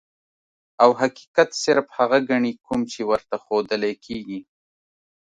او حقيقت صرف هغه ګڼي کوم چې ورته ښودلے کيږي -